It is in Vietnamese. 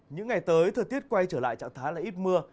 những ngày tới thời tiết quay trở lại trạng thái là ít mưa